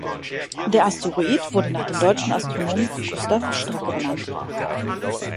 Der Asteroid wurde nach dem deutschen Astronomen Gustav Stracke benannt.